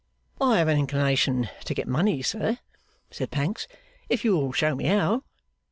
'I have an inclination to get money, sir,' said Pancks, 'if you will show me how.